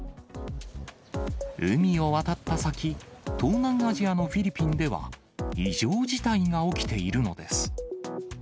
海を渡った先、東南アジアのフィリピンでは、異常事態が起きているのです。